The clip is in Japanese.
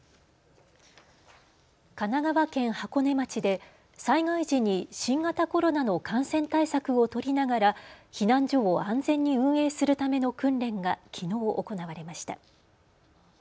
神奈川県箱根町で災害時に新型コロナの感染対策を取りながら避難所を安全に運営するための訓練がきのう行われました。